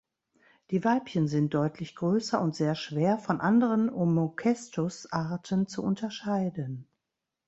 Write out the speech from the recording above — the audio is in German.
Die Weibchen sind deutlich größer und sehr schwer von anderen "Omocestus"-Arten zu unterscheiden.